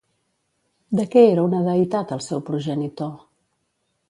De què era una deïtat el seu progenitor?